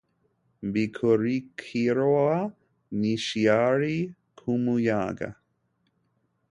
Bikurikirwa n'ishyari kumuyaga